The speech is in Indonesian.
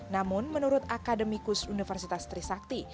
namun menurut akademikus universitas trisakti